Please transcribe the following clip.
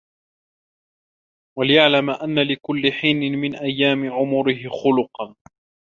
وَلْيَعْلَمْ أَنَّ لِكُلِّ حِينٍ مِنْ أَيَّامِ عُمُرِهِ خُلُقًا